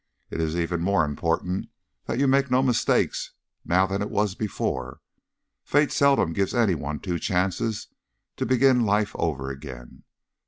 It is even more important that you make no mistakes now than it was before. Fate seldom gives any one two chances to begin life over again.